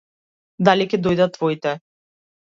Дали ќе дојдат твоите?